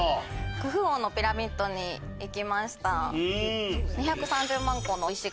クフ王のピラミッドに行きました。